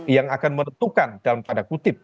yang akan menentukan dalam tanda kutip